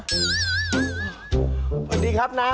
หวัดดีครับนารม